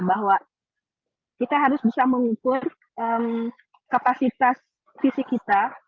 bahwa kita harus bisa mengukur kapasitas fisik kita